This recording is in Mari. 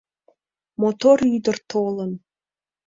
Мотор ӱдыр толын.